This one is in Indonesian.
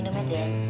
ini minumnya dan